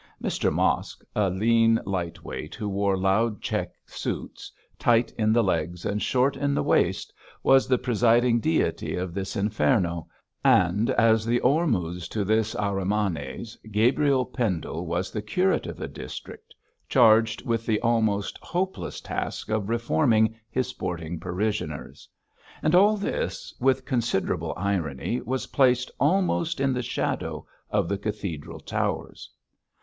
Mr Mosk, a lean light weight, who wore loud check suits, tight in the legs and short in the waist, was the presiding deity of this Inferno, and as the Ormuz to this Ahrimanes, Gabriel Pendle was the curate of the district, charged with the almost hopeless task of reforming his sporting parishioners. And all this, with considerable irony, was placed almost in the shadow of the cathedral towers.